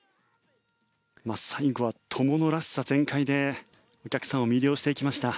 最後は友野らしさ全開でお客さんを魅了していきました。